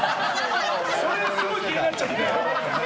それがすごい気になっちゃって。